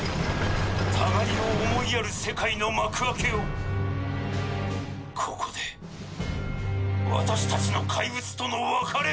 「互いを思いやる世界の幕開けをここで私たちの怪物との別れを」。